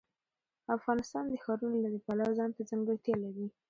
افغانستان د ښارونه د پلوه ځانته ځانګړتیا لري.